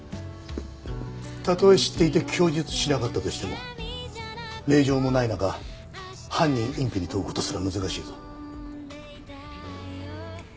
たとえ知っていて供述しなかったとしても令状もない中犯人隠避に問う事すら難しいぞ。